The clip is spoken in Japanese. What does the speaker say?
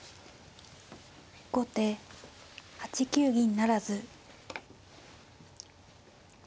後手８九銀不成。